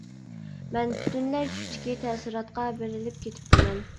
مەن پۈتۈنلەي چۈشتىكى تەسىراتقا بېرىلىپ كېتىپتىمەن.